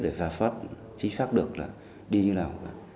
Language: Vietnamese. để rà soát chính xác được là đi như nào